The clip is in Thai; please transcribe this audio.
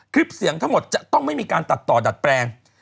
คลิปเสียงทั้งหมดจะต้องไม่มีการตัดต่อดัดแปลง